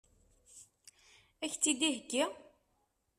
Ad k-tt-id-iheggi?